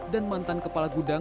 dan mantan kepala bulog pintrang